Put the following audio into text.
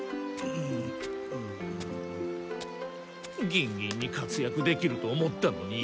ギンギンに活躍できると思ったのに。